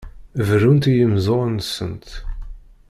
Berrunt i yimeẓẓuɣen-nsent.